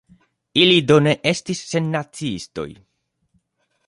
Ili do ne estis sennaciistoj.